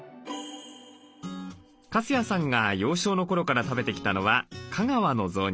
粕谷さんが幼少の頃から食べてきたのは香川の雑煮。